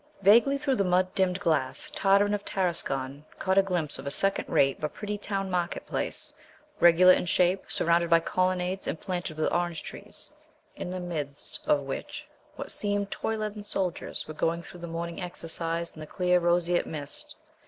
VAGUELY through the mud dimmed glass Tartarin of Tarascon caught a glimpse of a second rate but pretty town market place, regular in shape, surrounded by colonnades and planted with orange trees, in the midst of which what seemed toy leaden soldiers were going through the morning exercise in the clear roseate mist.